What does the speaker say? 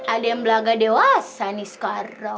ada yang belaga dewasa nih sekarang